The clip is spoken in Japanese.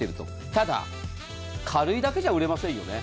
ただ、軽いだけじゃ売れませんよね。